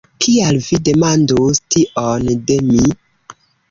Kial vi demandus tion de mi?